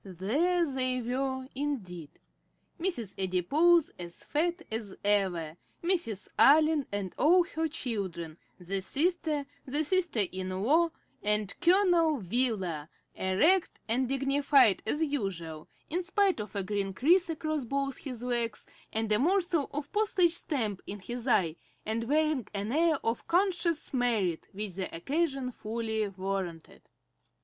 There they were indeed; Mrs. Adipose as fat as ever, Mrs. Allen, and all her children, the sister, the sister in law, and Colonel Wheeler, erect and dignified as usual, in spite of a green crease across both his legs, and a morsel of postage stamp in his eye, and wearing an air of conscious merit, which the occasion fully warranted.